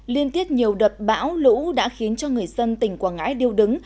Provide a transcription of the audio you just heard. liên tiếp nhiều đợt bão lũ đã khiến cho người dân tỉnh quảng ngãi điêu đứng